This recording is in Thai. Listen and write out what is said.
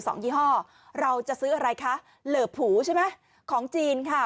ยี่ห้อเราจะซื้ออะไรคะเหลอผูใช่ไหมของจีนค่ะ